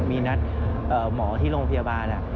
มีนัดหมอที่โรงพยาบาล